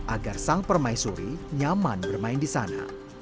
agar sang permaisuri nyaman bermain disana